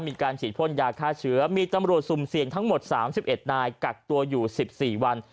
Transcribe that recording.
มีการฉีดพ่นยาฆ่าเชื้อมีตำรวจสุ่มเสี่ยงทั้งหมด๓๑นายกักตัวอยู่๑๔วัน